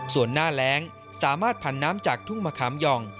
ส่วนหน้าแรงสามารถผันน้ำจากทุ่งมะขามหย่อง